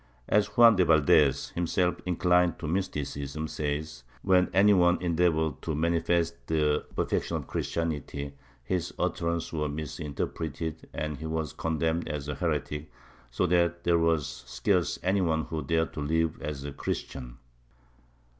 As Juan de Valdes, himself inclined to mysticism, says, when any one endeavored to manifest the perfection of Christianity, his utterances were misinterpreted and he was condemned as a heretic, so that there was scarce any one who dared to live as a Christian.